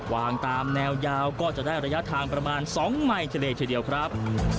วางตามแนวยาวก็จะได้ระยะทางประมาณ๒ไมค์ทะเลทีเดียวครับ